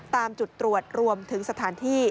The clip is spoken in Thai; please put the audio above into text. ตามจุดตรวจรวมถึงสถานที่